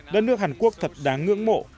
đất nước hàn quốc thật đáng ngưỡng mộ